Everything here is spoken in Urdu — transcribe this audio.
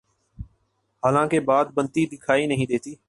حالانکہ بات بنتی دکھائی نہیں دیتی۔